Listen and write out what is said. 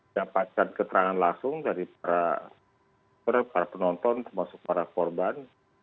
dapatkan keterangan langsung dari para penonton termasuk para korban